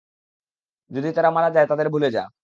যদি তারা মারা যায়, তাদের ভুলে যা।